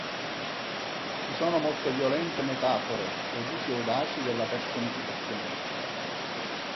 Ci sono molte "violente" metafore ed usi audaci della personificazione.